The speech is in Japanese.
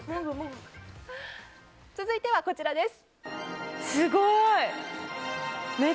続いてはこちらです。